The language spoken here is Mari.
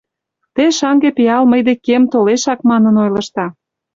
— Те шаҥге пиал мый декем толешак манын ойлышда.